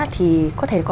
thì có thể có